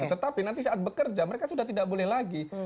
tetapi nanti saat bekerja mereka sudah tidak boleh lagi